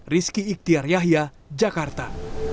rizky iktiar yahya jakarta